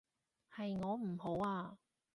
係我唔好啊